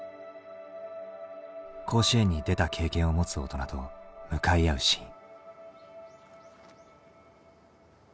甲子園に出た経験を持つ大人と向かい合うシーン。